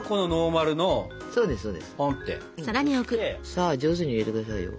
さあ上手に入れて下さいよ。